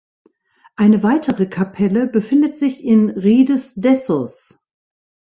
Eine weitere Kapelle befindet sich in Riedes-Dessus.